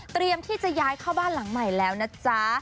เตรียมที่จะย้ายเข้าบ้านหลังใหม่แล้วนะจ๊ะ